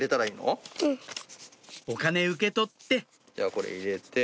お金受け取ってじゃあこれ入れて。